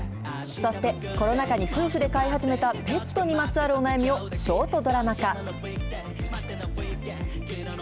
そして、コロナ禍に夫婦で飼い始めた、ペットにまつわるお悩みをショートドラマ化。